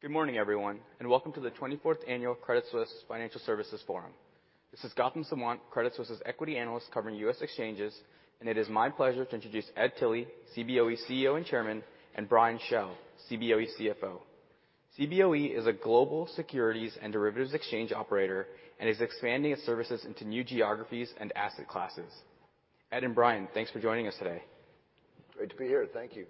Good morning, everyone, and welcome to the 24th Annual Credit Suisse Financial Services Forum. This is Gautam Sawant, Credit Suisse's equity analyst covering U.S. exchanges, and it is my pleasure to introduce Ed Tilly, Cboe CEO and Chairman, and Brian Schell, Cboe CFO. Cboe is a global securities and derivatives exchange operator and is expanding its services into new geographies and asset classes. Ed and Brian, thanks for joining us today. Great to be here. Thank you.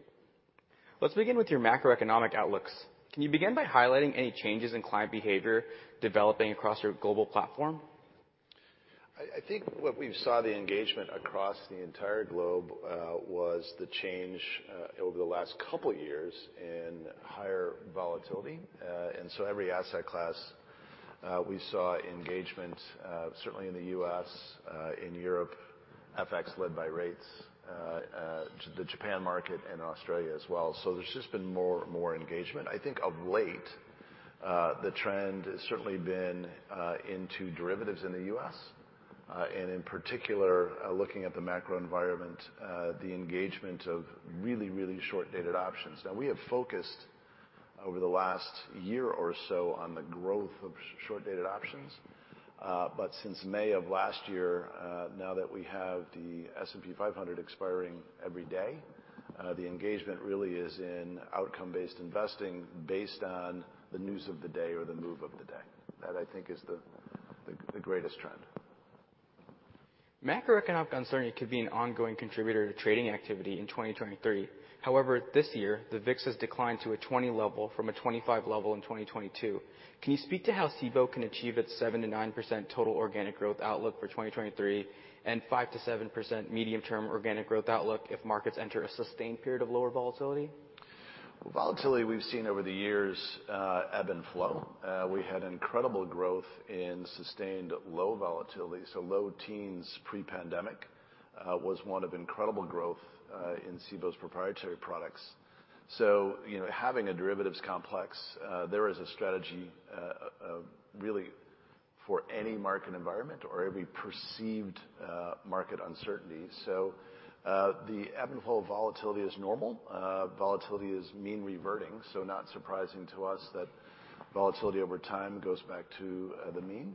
Let's begin with your macroeconomic outlooks. Can you begin by highlighting any changes in client behavior developing across your global platform? I think what we've saw the engagement across the entire globe was the change over the last couple years in higher volatility. Every asset class, we saw engagement, certainly in the U.S., in Europe, FX led by rates, the Japan market and Australia as well. There's just been more engagement. I think of late, the trend has certainly been into derivatives in the U.S. In particular, looking at the macro environment, the engagement of really, really short-dated options. We have focused over the last year or so on the growth of short-dated options. Since May of last year, now that we have the S&P 500 expiring every day, the engagement really is in outcome-based investing based on the news of the day or the move of the day. That, I think, is the greatest trend. Macroeconomic uncertainty could be an ongoing contributor to trading activity in 2023. This year, the VIX has declined to a 20 level from a 25 level in 2022. Can you speak to how Cboe can achieve its 7%-9% total organic growth outlook for 2023 and 5%-7% medium-term organic growth outlook if markets enter a sustained period of lower volatility? Volatility, we've seen over the years, ebb and flow. We had incredible growth in sustained low volatility, so low teens pre-pandemic, was one of incredible growth in Cboe's proprietary products. You know, having a derivatives complex, there is a strategy of really for any market environment or every perceived market uncertainty. The ebb and flow of volatility is normal. Volatility is mean reverting, so not surprising to us that volatility over time goes back to the mean.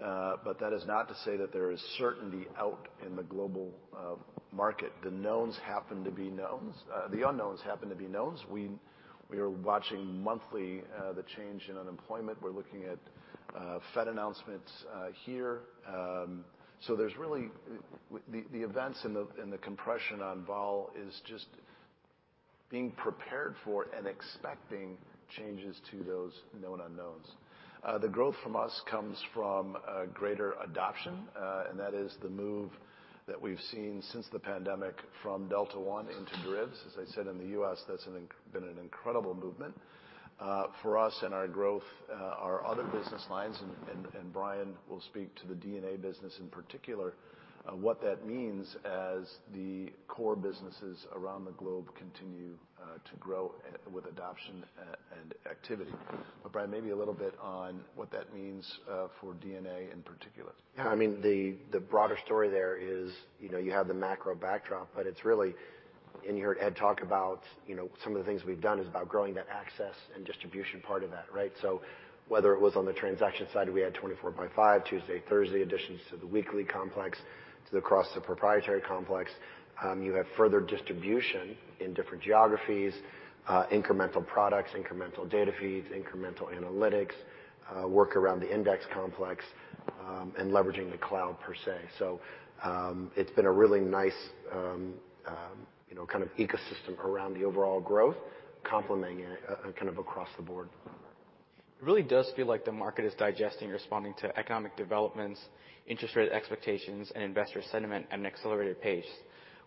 That is not to say that there is certainty out in the global market. The knowns happen to be knowns. The unknowns happen to be knowns. We are watching monthly, the change in unemployment. We're looking at Fed announcements here. There's really the events in the compression on vol is just being prepared for and expecting changes to those known unknowns. The growth from us comes from greater adoption, and that is the move that we've seen since the pandemic from Delta one into Greeks. As I said, in the U.S., that's been an incredible movement for us and our growth, our other business lines and Brian will speak to the DNA business in particular, what that means as the core businesses around the globe continue to grow with adoption and activity. Brian, maybe a little bit on what that means for DNA in particular. Yeah. I mean, the broader story there is, you know, you have the macro backdrop, but it's really... You heard Ed talk about, you know, some of the things we've done is about growing that access and distribution part of that, right? Whether it was on the transaction side, we had 24/5, Tuesday, Thursday additions to the weekly complex, to the cross, the proprietary complex. You have further distribution in different geographies, incremental products, incremental data feeds, incremental analytics, work around the index complex, and leveraging the cloud per se. It's been a really nice, you know, kind of ecosystem around the overall growth, complementing it, kind of across the board. It really does feel like the market is digesting, responding to economic developments, interest rate expectations, and investor sentiment at an accelerated pace.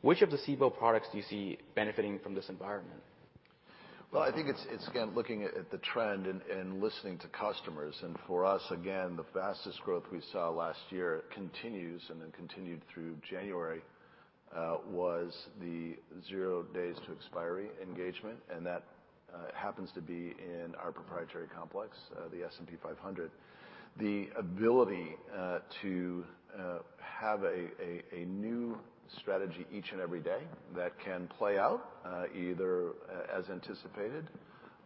Which of the Cboe products do you see benefiting from this environment? Well, I think it's again, looking at the trend and listening to customers. For us, again, the fastest growth we saw last year continues and then continued through January, was the zero days to expiry engagement, and that happens to be in our proprietary complex, the S&P 500. The ability to have a new strategy each and every day that can play out either as anticipated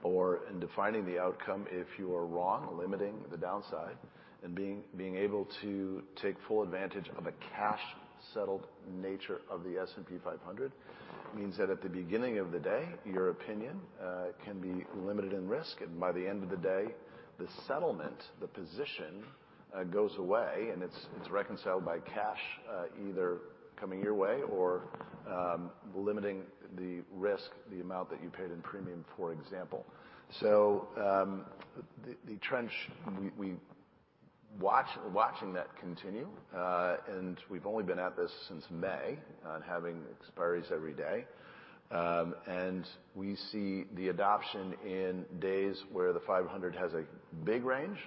or in defining the outcome, if you are wrong, limiting the downside and being able to take full advantage of a cash-settled nature of the S&P 500 means that at the beginning of the day, your opinion can be limited in risk, and by the end of the day, the settlement, the position goes away, and it's reconciled by cash either coming your way or limiting the risk, the amount that you paid in premium, for example. The trend, we watching that continue, and we've only been at this since May on having expiries every day. We see the adoption in days where the S&P 500 has a big range,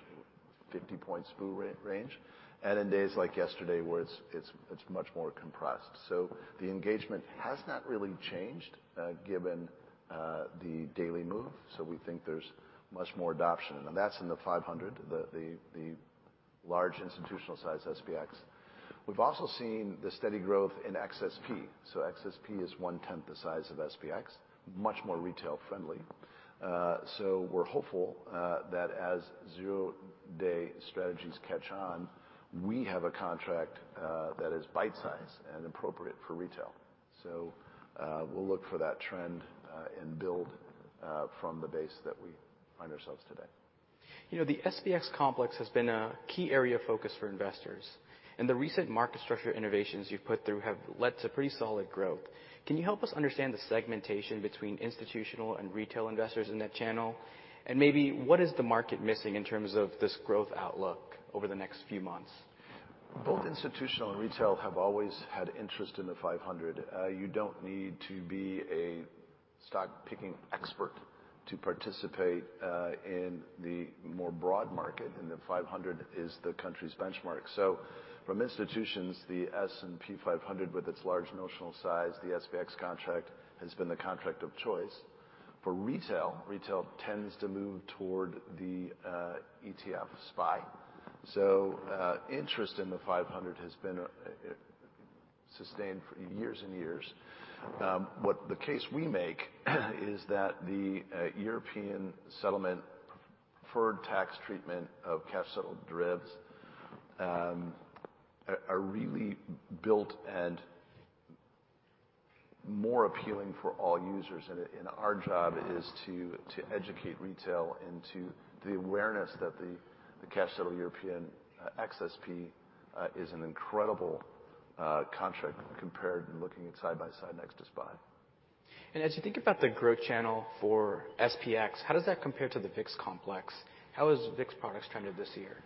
50-point spoo range, in days like yesterday, where it's much more compressed. The engagement has not really changed given the daily move. We think there's much more adoption. That's in the S&P 500. The large institutional size SPX. We've also seen the steady growth in XSP. XSP is 1/10 the size of SPX, much more retail-friendly. We're hopeful that as zero-day strategies catch on, we have a contract that is bite-sized and appropriate for retail. We'll look for that trend and build from the base that we find ourselves today. You know, the SPX complex has been a key area of focus for investors. The recent market structure innovations you've put through have led to pretty solid growth. Can you help us understand the segmentation between institutional and retail investors in that channel? Maybe what is the market missing in terms of this growth outlook over the next few months? Both institutional and retail have always had interest in the 500. You don't need to be a stock-picking expert to participate in the more broad market, and the 500 is the country's benchmark. From institutions, the S&P 500, with its large notional size, the SPX contract, has been the contract of choice. For retail tends to move toward the ETF SPY. Interest in the 500 has been sustained for years and years. What the case we make is that the European settlement preferred tax treatment of cash-settled derivatives are really built and more appealing for all users. Our job is to educate retail into the awareness that the cash settle European XSP is an incredible contract compared looking at side by side next to SPY. as you think about the growth channel for SPX, how does that compare to the VIX complex? How has VIX products trended this year?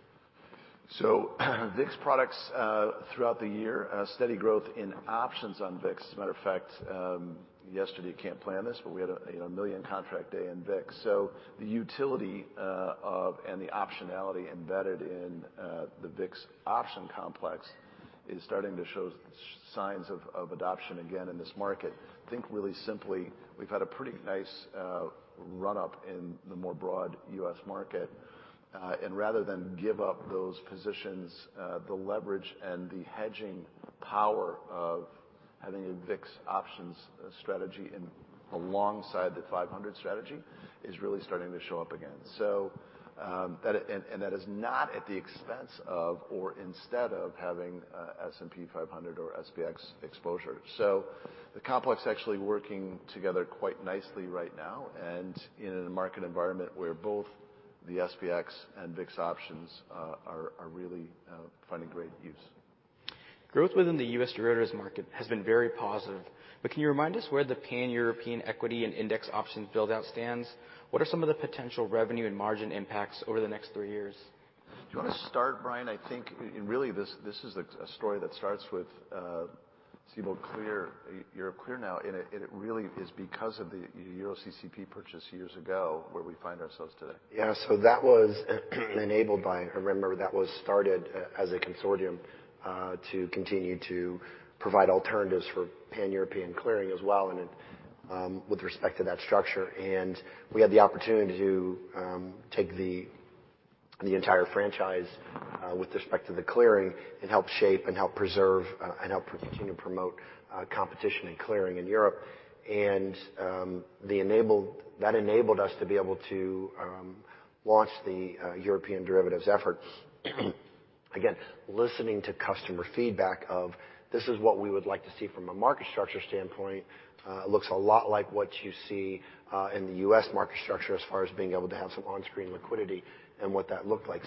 VIX products, throughout the year, steady growth in options on VIX. As a matter of fact, yesterday, can't plan this, but we had a, you know, a 1 million contract day in VIX. The utility of, and the optionality embedded in, the VIX option complex is starting to show signs of adoption again in this market. Think really simply, we've had a pretty nice run up in the more broad U.S. market. Rather than give up those positions, the leverage and the hedging power of having a VIX options strategy in alongside the 500 strategy is really starting to show up again. That is not at the expense of or instead of having S&P 500 or SPX exposure. The complex actually working together quite nicely right now and in a market environment where both the SPX and VIX options are really finding great use. Growth within the U.S. derivatives market has been very positive. Can you remind us where the pan-European equity and index option build-out stands? What are some of the potential revenue and margin impacts over the next three years? Do you wanna start, Brian? I think, really this is a story that starts with Cboe Clear, Europe Clear now, and it really is because of the EuroCCP purchase years ago where we find ourselves today. Yeah. That was enabled by. Remember that was started as a consortium to continue to provide alternatives for pan-European clearing as well and with respect to that structure. We had the opportunity to take the entire franchise with respect to the clearing and help shape and help preserve and help continue to promote competition and clearing in Europe. That enabled us to be able to launch the European derivatives effort. Again, listening to customer feedback of, "This is what we would like to see from a market structure standpoint, looks a lot like what you see in the U.S. market structure as far as being able to have some on-screen liquidity," and what that looked like.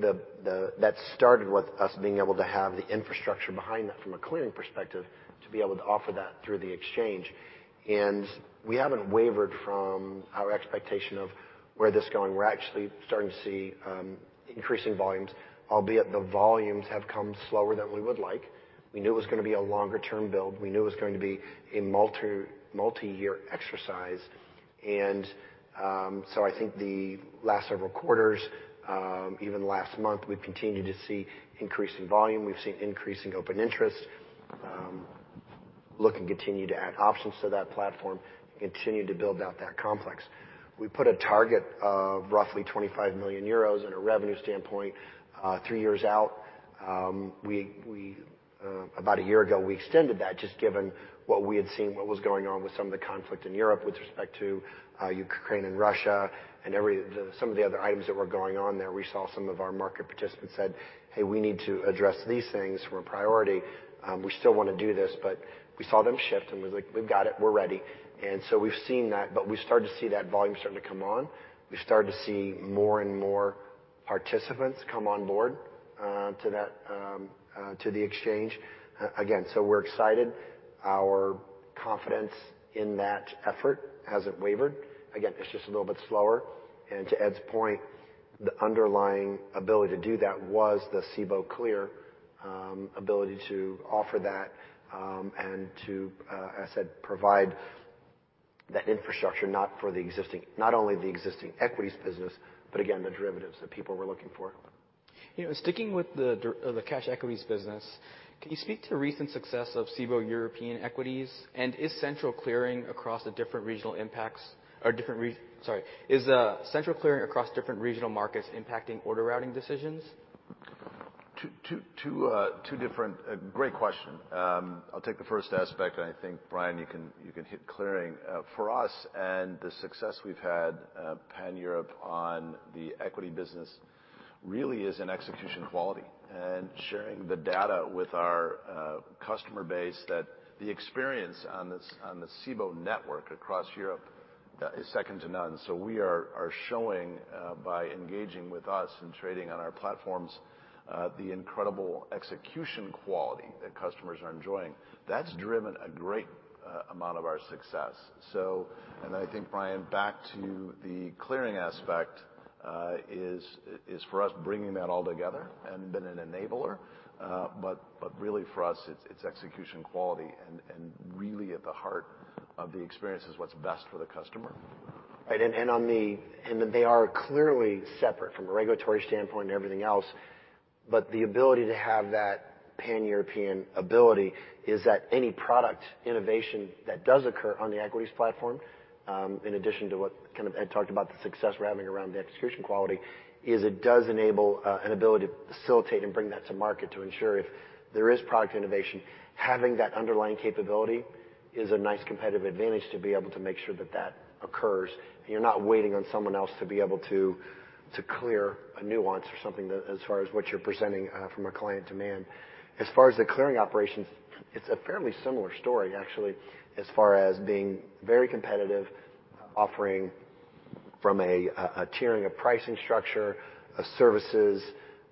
That started with us being able to have the infrastructure behind that from a clearing perspective to be able to offer that through the exchange. We haven't wavered from our expectation of where this is going. We're actually starting to see increasing volumes, albeit the volumes have come slower than we would like. We knew it was gonna be a longer-term build. We knew it was going to be a multi-year exercise. I think the last several quarters, even last month, we've continued to see increase in volume. We've seen increase in open interest, look and continue to add options to that platform and continue to build out that complex. We put a target of roughly 25 million euros in a revenue standpoint, three years out. We. About a year ago, we extended that just given what we had seen, what was going on with some of the conflict in Europe with respect to Ukraine and Russia and some of the other items that were going on there. We saw some of our market participants said, "Hey, we need to address these things for a priority. We still wanna do this," we saw them shift, and we were like, "We've got it. We're ready." We've seen that. We started to see that volume starting to come on. We started to see more and more participants come on board to that to the exchange. So we're excited. Our confidence in that effort hasn't wavered. It's just a little bit slower. To Ed's point, the underlying ability to do that was the Cboe Clear ability to offer that, and to, as I said, provide that infrastructure not only the existing equities business, but again, the derivatives that people were looking for. You know, sticking with the cash equities business, can you speak to the recent success of Cboe European Equities? sorry. Is central clearing across different regional markets impacting order routing decisions? Two different, great question. I'll take the first aspect, and I think, Brian Schell, you can hit clearing. For us and the success we've had, pan-European on the equity business really is in execution quality and sharing the data with our customer base that the experience on the Cboe network across Europe is second to none. We are showing, by engaging with us and trading on our platforms, the incredible execution quality that customers are enjoying. That's driven a great amount of our success. Then I think, Brian Schell, back to the clearing aspect, is for us bringing that all together and been an enabler. But really for us, it's execution quality and really at the heart of the experience is what's best for the customer. Right. They are clearly separate from a regulatory standpoint and everything else. The ability to have that pan-European ability is that any product innovation that does occur on the equities platform, in addition to what kind of Ed talked about the success we're having around the execution quality, is it does enable an ability to facilitate and bring that to market to ensure if there is product innovation, having that underlying capability is a nice competitive advantage to be able to make sure that that occurs, and you're not waiting on someone else to be able to clear a nuance or something as far as what you're presenting from a client demand. As far as the clearing operations, it's a fairly similar story, actually, as far as being very competitive, offering from a tiering of pricing structure, services,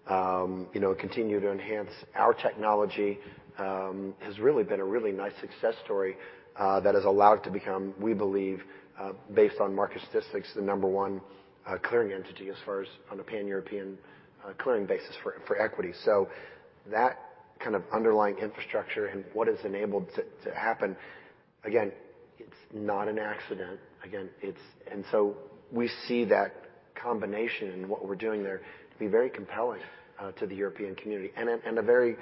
you know, continue to enhance our technology, has really been a really nice success story, that has allowed it to become, we believe, based on market statistics, the number one clearing entity as far as on a pan-European clearing basis for equity. That kind of underlying infrastructure and what it's enabled to happen, again, it's not an accident. Again, it's. We see that combination in what we're doing there to be very compelling to the European community and a very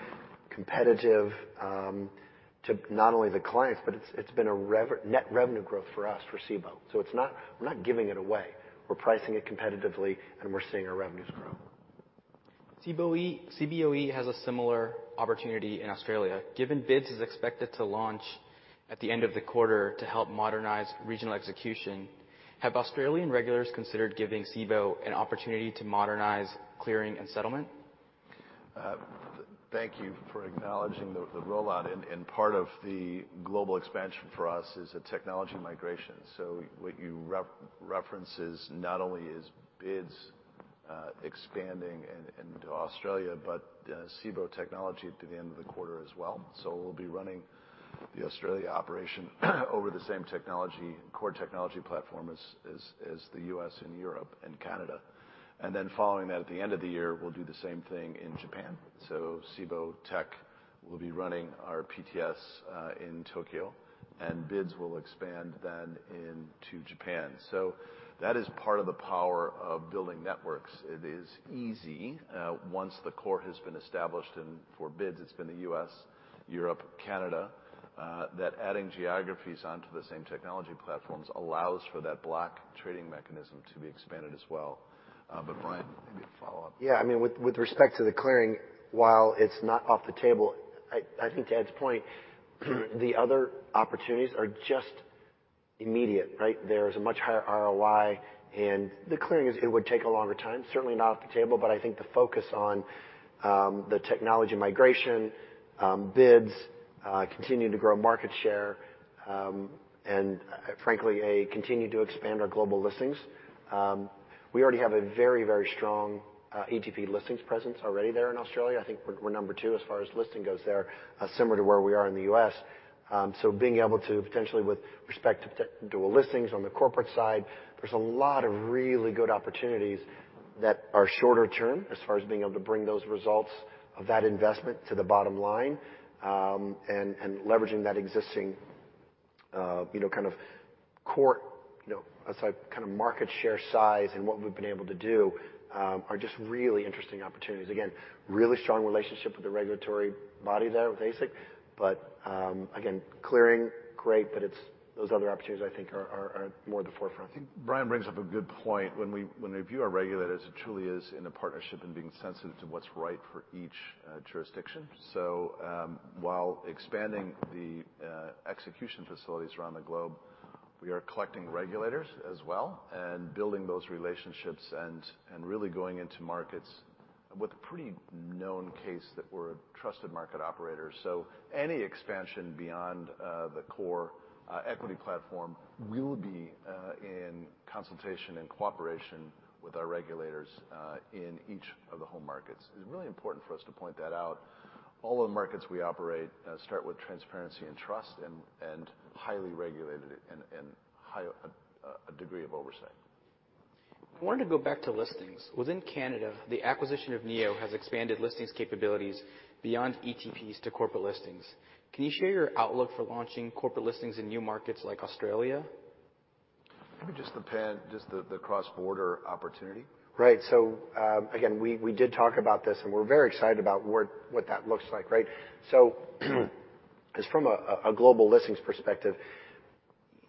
competitive to not only the clients, but it's been a net revenue growth for us, for Cboe. We're not giving it away. We're pricing it competitively, and we're seeing our revenues grow. Cboe has a similar opportunity in Australia. Given BIDS is expected to launch at the end of the quarter to help modernize regional execution, have Australian regulators considered giving Cboe an opportunity to modernize clearing and settlement? Thank you for acknowledging the rollout, and part of the global expansion for us is a technology migration. What you reference is not only is BIDS expanding into Australia, but Cboe technology to the end of the quarter as well. We'll be running the Australia operation over the same technology, core technology platform as the U.S. and Europe and Canada. Following that, at the end of the year, we'll do the same thing in Japan. Cboe tech will be running our PTS in Tokyo, and BIDS will expand then into Japan. That is part of the power of building networks. It is easy, once the core has been established, and for BIDS, it's been the US, Europe, Canada, that adding geographies onto the same technology platforms allows for that block trading mechanism to be expanded as well. Brian, maybe a follow-up. I mean, with respect to the clearing, while it's not off the table, I think to Ed's point, the other opportunities are just immediate, right? There's a much higher ROI, and the clearing is it would take a longer time. Certainly not off the table, but I think the focus on the technology migration, BIDS, continue to grow market share, and frankly, continue to expand our global listings. We already have a very, very strong ETP listings presence already there in Australia. I think we're number two as far as listing goes there, similar to where we are in the U.S. Being able to potentially with respect to dual listings on the corporate side, there's a lot of really good opportunities that are shorter term as far as being able to bring those results of that investment to the bottom line, and leveraging that existing, you know, kind of core, you know, kind of market share size and what we've been able to do, are just really interesting opportunities. Again, really strong relationship with the regulatory body there with ASIC. Again, clearing, great, but those other opportunities I think are more at the forefront. I think Brian brings up a good point. When we, when we view our regulators, it truly is in a partnership and being sensitive to what's right for each jurisdiction. While expanding the execution facilities around the globe, we are collecting regulators as well and building those relationships and really going into markets with a pretty known case that we're a trusted market operator. Any expansion beyond the core equity platform will be in consultation and cooperation with our regulators in each of the home markets. It's really important for us to point that out. All the markets we operate start with transparency and trust and highly regulated and high a degree of oversight. I wanted to go back to listings. Within Canada, the acquisition of NEO has expanded listings capabilities beyond ETPs to corporate listings. Can you share your outlook for launching corporate listings in new markets like Australia? Maybe the cross-border opportunity. Again, we did talk about this, and we're very excited about what that looks like, right? Just from a global listings perspective.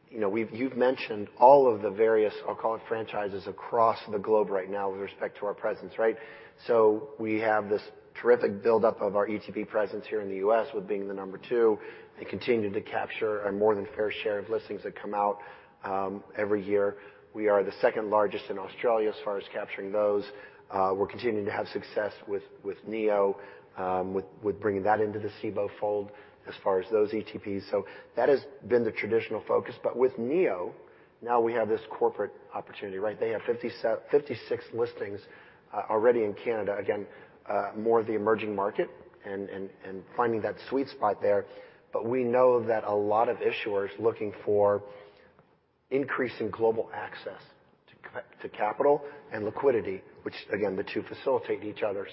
You know, you've mentioned all of the various, I'll call it franchises across the globe right now with respect to our presence, right? We have this terrific buildup of our ETP presence here in the U.S. with being the number two, and continuing to capture our more than fair share of listings that come out every year. We are the second-largest in Australia as far as capturing those. We're continuing to have success with Neo, with bringing that into the Cboe fold as far as those ETPs. That has been the traditional focus. With Neo, now we have this corporate opportunity, right? They have 56 listings already in Canada. Again, more of the emerging market and finding that sweet spot there. We know that a lot of issuers looking for increase in global access to capital and liquidity, which again, the two facilitate each other.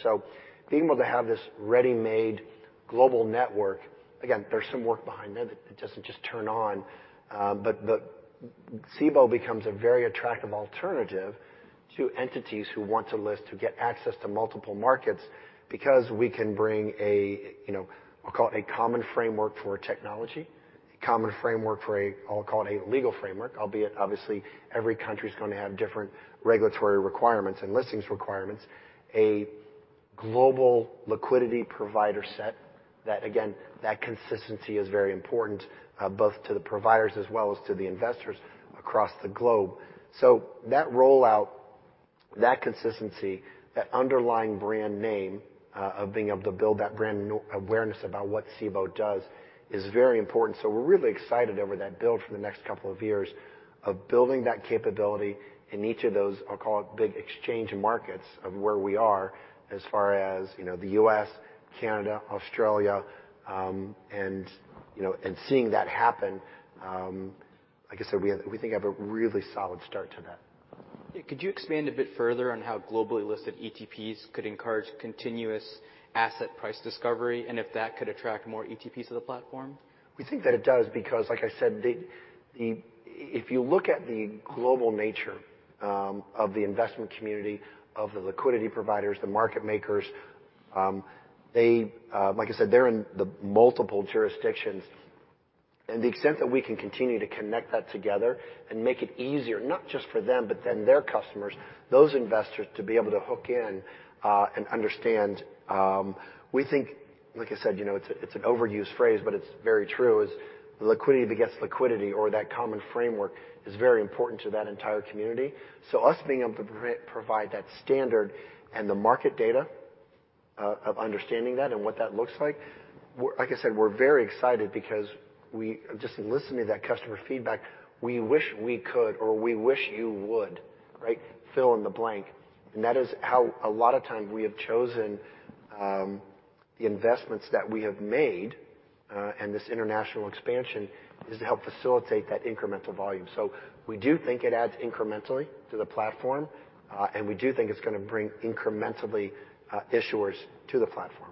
Being able to have this ready-made global network, again, there's some work behind that. It doesn't just turn on. But Cboe becomes a very attractive alternative to entities who want to list to get access to multiple markets because we can bring a, you know, I'll call it a common framework for technology, a common framework for a, I'll call it a legal framework, albeit obviously every country is gonna have different regulatory requirements and listings requirements. A global liquidity provider set that again, that consistency is very important, both to the providers as well as to the investors across the globe. That rollout, that consistency, that underlying brand name, of being able to build that brand awareness about what Cboe does is very important. We're really excited over that build for the next couple of years of building that capability in each of those, I'll call it big exchange markets of where we are as far as, you know, the U.S., Canada, Australia, and, you know, and seeing that happen, like I said, we think have a really solid start to that. Could you expand a bit further on how globally listed ETPs could encourage continuous asset price discovery, and if that could attract more ETPs to the platform? We think that it does because, like I said, if you look at the global nature of the investment community, of the liquidity providers, the market makers, they, like I said, they're in the multiple jurisdictions. The extent that we can continue to connect that together and make it easier, not just for them, but then their customers, those investors to be able to hook in and understand, we think, like I said, you know, it's an overused phrase, but it's very true, is liquidity begets liquidity or that common framework is very important to that entire community. Us being able to provide that standard and the market data of understanding that and what that looks like I said, we're very excited because just listening to that customer feedback, we wish we could, or we wish you would, right? Fill in the blank. That is how a lot of times we have chosen the investments that we have made, and this international expansion is to help facilitate that incremental volume. We do think it adds incrementally to the platform, and we do think it's gonna bring incrementally issuers to the platform.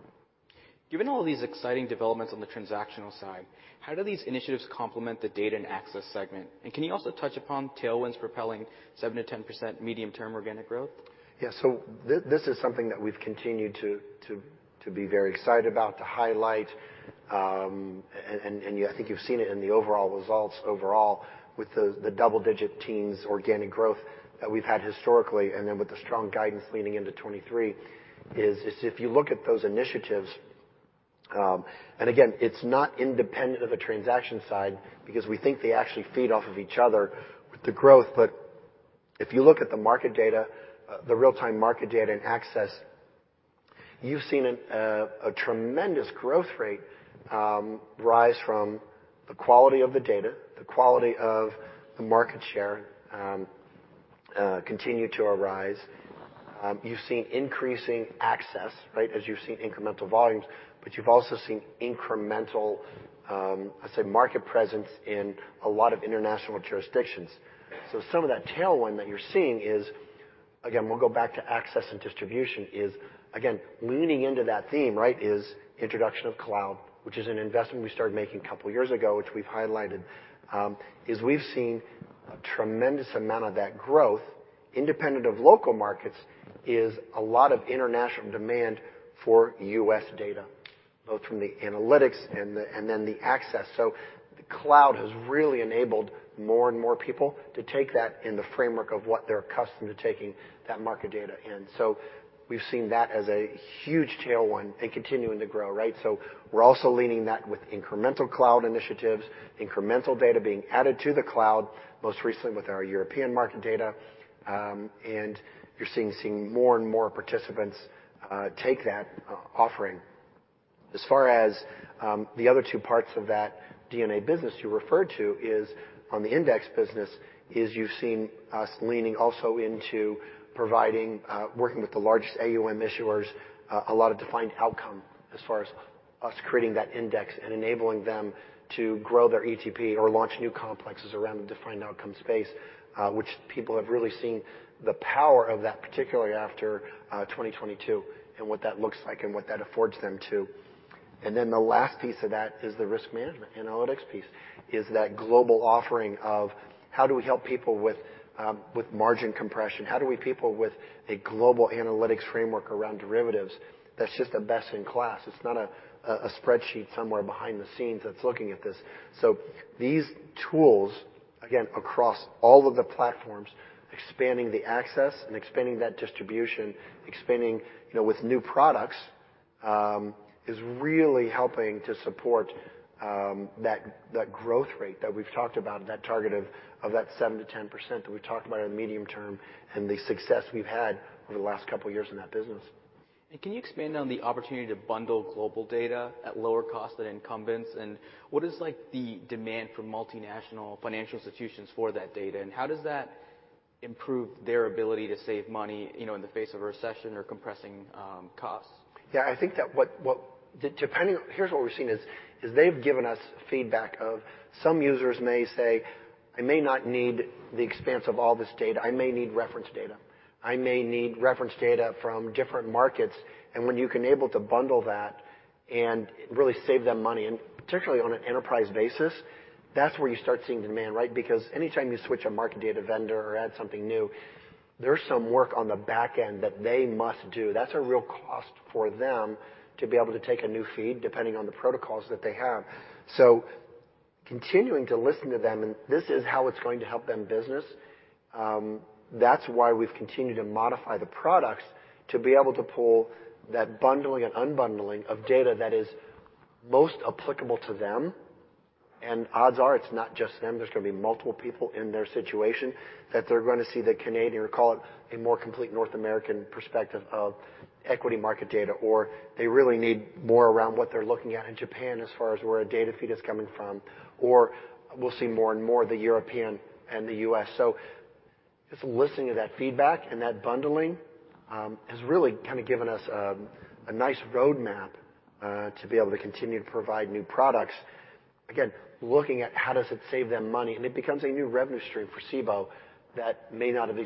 Given all these exciting developments on the transactional side, how do these initiatives complement the data and access segment? Can you also touch upon tailwinds propelling 7% to 10% medium-term organic growth? Yeah. This is something that we've continued to be very excited about, to highlight, and I think you've seen it in the overall results overall with the double-digit teens organic growth that we've had historically, and then with the strong guidance leading into 2023, is if you look at those initiatives. Again, it's not independent of a transaction side because we think they actually feed off of each other with the growth. If you look at the market data, the real-time market data and access, you've seen a tremendous growth rate rise from the quality of the data, the quality of the market share continue to arise. You've seen increasing access, right, as you've seen incremental volumes, but you've also seen incremental, let's say, market presence in a lot of international jurisdictions. Some of that tailwind that you're seeing is, again, we'll go back to access and distribution is again, leaning into that theme, right, is introduction of cloud, which is an investment we started making a couple of years ago, which we've highlighted, is we've seen a tremendous amount of that growth independent of local markets, is a lot of international demand for U.S. data, both from the analytics and then the access. The cloud has really enabled more and more people to take that in the framework of what they're accustomed to taking that market data in. We've seen that as a huge tailwind and continuing to grow, right? We're also leaning that with incremental cloud initiatives, incremental data being added to the cloud, most recently with our European market data, and you're seeing more and more participants take that offering. As far as the other two parts of that DNA business you referred to is on the index business, you've seen us leaning also into providing, working with the largest AUM issuers, a lot of defined outcome as far as us creating that index and enabling them to grow their ETP or launch new complexes around the defined outcome space, which people have really seen the power of that, particularly after 2022, and what that looks like and what that affords them too. The last piece of that is the risk management analytics piece, is that global offering of. How do we help people with margin compression? How do we people with a global analytics framework around derivatives that's just a best in class? It's not a spreadsheet somewhere behind the scenes that's looking at this. These tools, again, across all of the platforms, expanding the access and expanding that distribution, expanding, you know, with new products, is really helping to support that growth rate that we've talked about, that target of that 7%-10% that we talked about in the medium term, and the success we've had over the last couple of years in that business. Can you expand on the opportunity to bundle global data at lower cost than incumbents? What is like the demand from multinational financial institutions for that data, and how does that improve their ability to save money, you know, in the face of a recession or compressing costs? Yeah, I think that depending on. Here's what we're seeing is they've given us feedback of some users may say, "I may not need the expanse of all this data. I may need reference data. I may need reference data from different markets." When you can able to bundle that and really save them money, and particularly on an enterprise basis, that's where you start seeing demand, right? Anytime you switch a market data vendor or add something new, there's some work on the back end that they must do. That's a real cost for them to be able to take a new feed depending on the protocols that they have. Continuing to listen to them, and this is how it's going to help them business, that's why we've continued to modify the products to be able to pull that bundling and unbundling of data that is most applicable to them. Odds are, it's not just them. There's gonna be multiple people in their situation that they're gonna see the Canadian, or call it, a more complete North American perspective of equity market data, or they really need more around what they're looking at in Japan as far as where a data feed is coming from. We'll see more and more of the European and the U.S. Just listening to that feedback and that bundling has really kind of given us a nice roadmap to be able to continue to provide new products. Again, looking at how does it save them money, and it becomes a new revenue stream for Cboe that may not have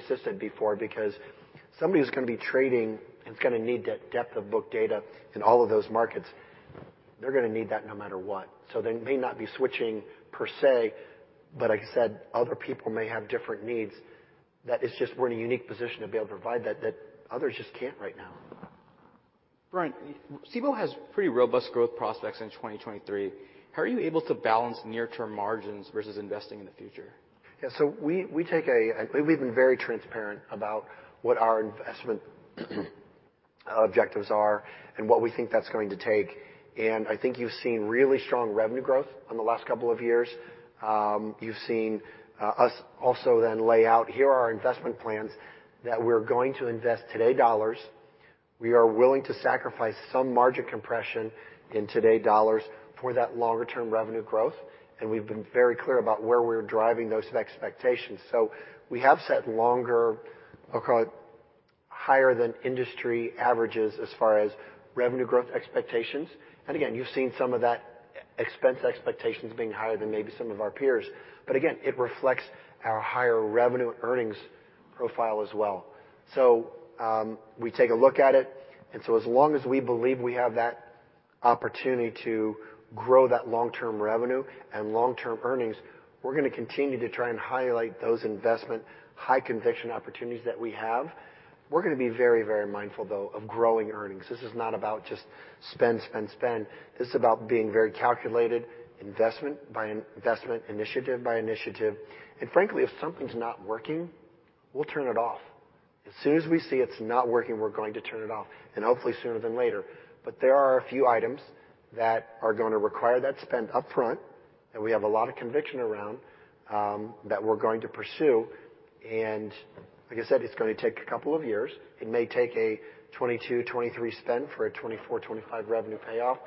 existed before because somebody who's gonna be trading is gonna need that depth of book data in all of those markets. They're gonna need that no matter what. They may not be switching per se, but like I said, other people may have different needs. That is just we're in a unique position to be able to provide that others just can't right now. Brian, Cboe has pretty robust growth prospects in 2023. How are you able to balance near-term margins versus investing in the future? Yeah. So we've been very transparent about what our investment, objectives are and what we think that's going to take. I think you've seen really strong revenue growth on the last couple of years. You've seen us also then lay out, here are our investment plans that we're going to invest today dollars. We are willing to sacrifice some margin compression in today dollars for that longer term revenue growth, and we've been very clear about where we're driving those expectations. We have set longer, I'll call it higher than industry averages as far as revenue growth expectations. Again, you've seen some of that expense expectations being higher than maybe some of our peers. Again, it reflects our higher revenue earnings profile as well. We take a look at it, as long as we believe we have that opportunity to grow that long-term revenue and long-term earnings, we're gonna continue to try and highlight those investment high conviction opportunities that we have. We're gonna be very, very mindful though of growing earnings. This is not about just spend, spend. This is about being very calculated investment by investment, initiative by initiative. Frankly, if something's not working, we'll turn it off. As soon as we see it's not working, we're going to turn it off, and hopefully sooner than later. There are a few items that are gonna require that spend upfront, that we have a lot of conviction around that we're going to pursue. Like I said, it's gonna take a couple of years. It may take a 2022, 2023 spend for a 2024, 2025 revenue payoff,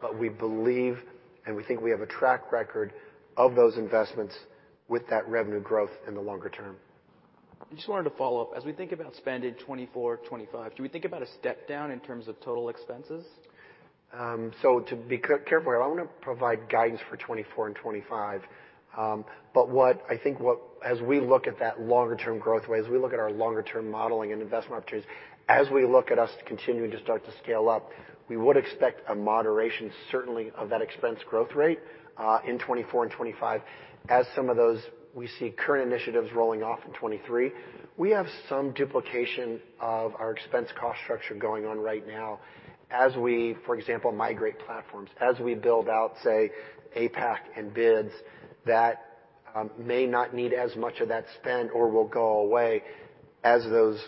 but we believe and we think we have a track record of those investments with that revenue growth in the longer term. I just wanted to follow up. As we think about spend in 2024, 2025, do we think about a step down in terms of total expenses? To be careful, I don't wanna provide guidance for 2024 and 2025. What I think as we look at that longer term growth way, as we look at our longer term modeling and investment opportunities, as we look at us continuing to start to scale up, we would expect a moderation certainly of that expense growth rate in 2024 and 2025. As some of those, we see current initiatives rolling off in 2023. We have some duplication of our expense cost structure going on right now as we, for example, migrate platforms, as we build out, say, APAC and BIDS that may not need as much of that spend or will go away as those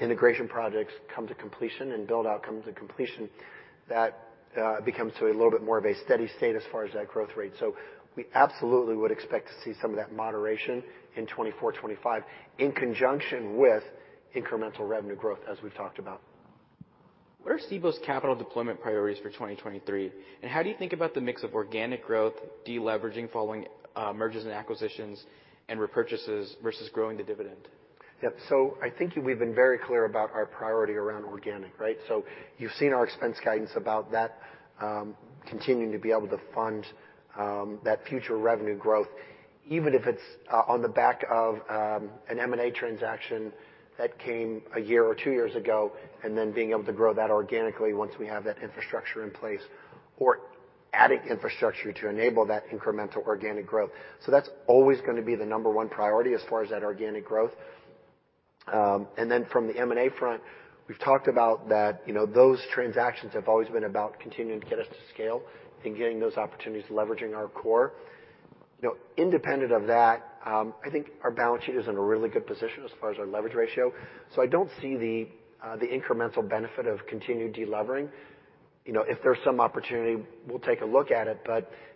integration projects come to completion and build out come to completion. That becomes to a little bit more of a steady state as far as that growth rate. We absolutely would expect to see some of that moderation in 2024, 2025 in conjunction with incremental revenue growth as we've talked about. What are Cboe's capital deployment priorities for 2023, and how do you think about the mix of organic growth, deleveraging following, mergers and acquisitions, and repurchases versus growing the dividend? Yeah. I think we've been very clear about our priority around organic, right? You've seen our expense guidance about that, continuing to be able to fund that future revenue growth, even if it's on the back of an M&A transaction that came a year or two years ago, and then being able to grow that organically once we have that infrastructure in place. Adding infrastructure to enable that incremental organic growth. That's always gonna be the number one priority as far as that organic growth. Then from the M&A front, we've talked about that, you know, those transactions have always been about continuing to get us to scale and getting those opportunities, leveraging our core. You know, independent of that, I think our balance sheet is in a really good position as far as our leverage ratio. I don't see the incremental benefit of continued delevering. You know, if there's some opportunity, we'll take a look at it.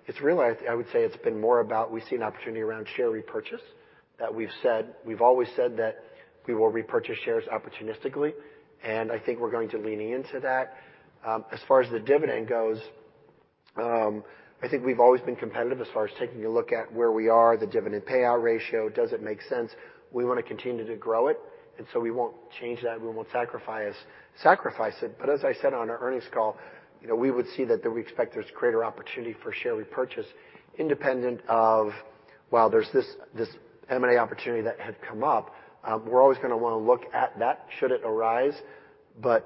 It's really, I would say it's been more about we see an opportunity around share repurchase that we've said. We've always said that we will repurchase shares opportunistically, and I think we're going to leaning into that. As far as the dividend goes, I think we've always been competitive as far as taking a look at where we are, the dividend payout ratio, does it make sense? We wanna continue to grow it, and so we won't change that, and we won't sacrifice it. As I said on our earnings call, you know, we would see that we expect there's greater opportunity for share repurchase independent of, while there's this M&A opportunity that had come up, we're always gonna wanna look at that should it arise.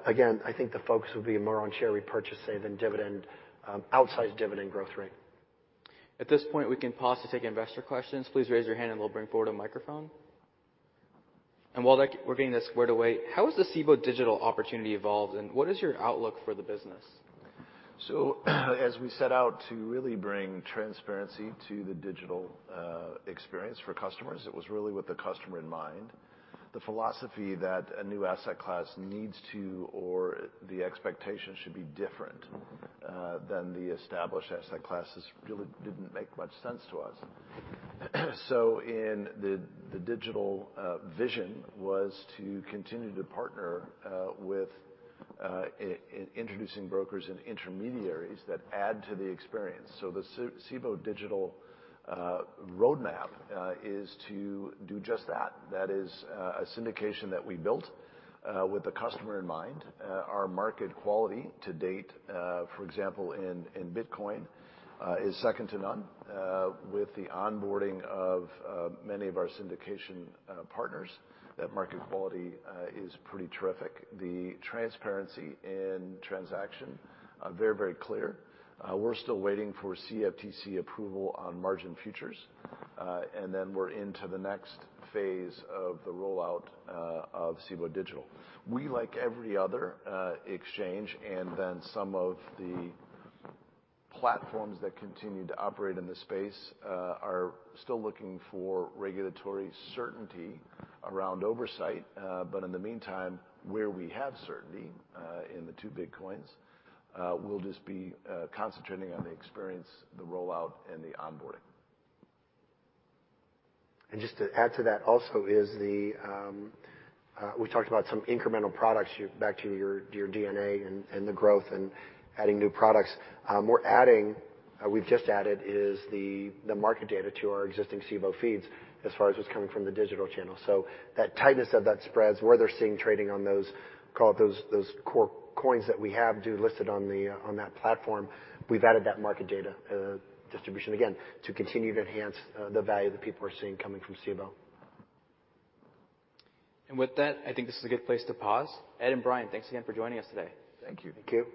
Again, I think the focus would be more on share repurchase say than dividend, outside dividend growth rate. At this point, we can pause to take investor questions. Please raise your hand. We'll bring forward a microphone. While we're getting this squared away, how has the Cboe Digital opportunity evolved, and what is your outlook for the business? As we set out to really bring transparency to the digital experience for customers, it was really with the customer in mind. The philosophy that a new asset class needs to or the expectation should be different than the established asset classes really didn't make much sense to us. In the digital vision was to continue to partner with in introducing brokers and intermediaries that add to the experience. The Cboe Digital roadmap is to do just that. That is a syndication that we built with the customer in mind. Our market quality to date, for example, in Bitcoin, is second to none. With the onboarding of many of our syndication partners, that market quality is pretty terrific. The transparency in transaction are very, very clear. We're still waiting for CFTC approval on margin futures, and then we're into the next phase of the rollout of Cboe Digital. We, like every other exchange and then some of the platforms that continue to operate in the space, are still looking for regulatory certainty around oversight. In the meantime, where we have certainty, in the two Bitcoins, we'll just be concentrating on the experience, the rollout, and the onboarding. Just to add to that also is, we talked about some incremental products, back to your DNA and the growth and adding new products. We've just added the market data to our existing Cboe feeds as far as what's coming from the digital channel. That tightness of that spreads where they're seeing trading on those, call it those core coins that we have do listed on that platform. We've added that market data distribution again to continue to enhance the value that people are seeing coming from Cboe. With that, I think this is a good place to pause. Ed and Brian, thanks again for joining us today. Thank you. Thank you.